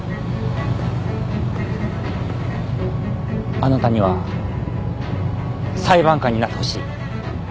あなたには裁判官になってほしい。